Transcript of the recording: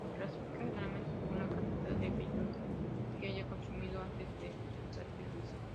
Se clasifica generalmente según la cantidad de bellota que haya consumido antes del sacrificio.